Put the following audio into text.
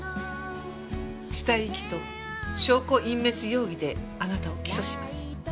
死体遺棄と証拠隠滅容疑であなたを起訴します。